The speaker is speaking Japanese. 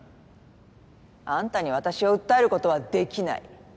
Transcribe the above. あんたに私を訴えることはできない。